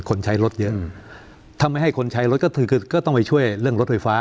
คนใช้รถเยอะถ้าไม่ให้คนใช้รถก็คือก็ต้องไปช่วยเรื่องรถไฟฟ้า